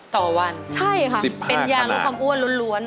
ต่อวันเป็นยาและความอ้วนล้วนใช่ค่ะ